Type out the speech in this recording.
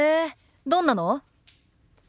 どんなの？